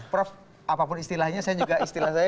prof apapun istilahnya saya juga istilahnya